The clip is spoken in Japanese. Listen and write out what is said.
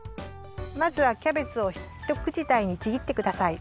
まずはキャベツをひとくちだいにちぎってください。